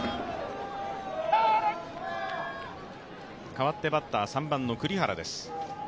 かわってバッター３番の栗原です。